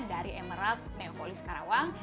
dari emerald neopolis karawang